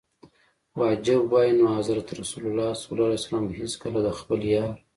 واجب وای نو حضرت رسول ص به هیڅکله د خپل یار.